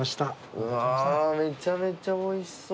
うわめちゃめちゃおいしそう。